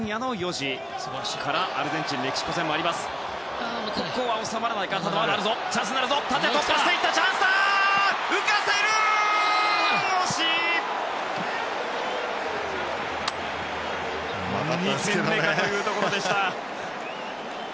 ２点目かというところでした。